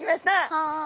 はい。